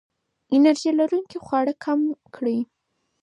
انرژي لرونکي خواړه کم کړئ.